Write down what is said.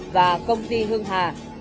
và công ty hưng hà